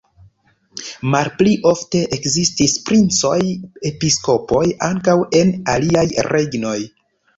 Malpli ofte ekzistis princoj-episkopoj ankaŭ en aliaj regnoj.